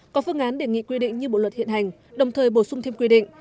có phương án đề nghị quy định như bộ luật hiện hành đồng thời bổ sung thêm quy định